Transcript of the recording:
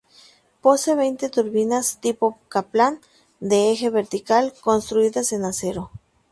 Posee veinte turbinas tipo Kaplan de eje vertical, construidas en acero.